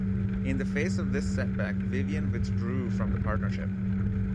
In the face of this setback Vivian withdrew from the partnership.